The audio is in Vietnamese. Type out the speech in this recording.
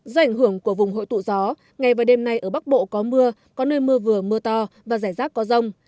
do ảnh hưởng của vùng hội tụ gió ngày và đêm nay ở bắc bộ có mưa có nơi mưa vừa mưa to và rải rác có rông